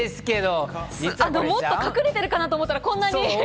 もっと隠れてるかなと思ったら、こんなに。